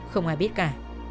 không ai biết cả